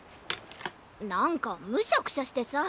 なんかむしゃくしゃしてさ。